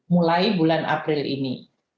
mulai bulan april ini